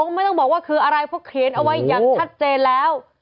ไม่ต้องบอกว่าคืออะไรเพราะเขียนเอาไว้อย่างชัดเจนแล้ว